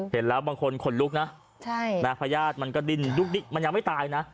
เห็นแล้วบางคนขนลุกนะพญาติมันก็ดิ้นดุ๊กดิ๊กมันยังไม่ตายนะ